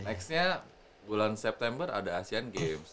nextnya bulan september ada asian games